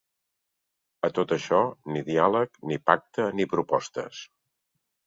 A tot això, ni diàleg, ni pacte, ni propostes.